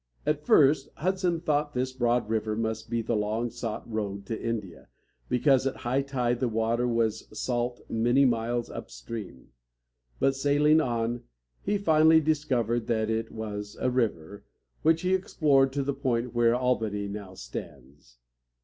At first Hudson thought this broad river must be the long sought road to India, because at high tide the water was salt many miles upstream. But sailing on, he finally discovered that it was a river, which he explored to the point where Al´ba ny now stands.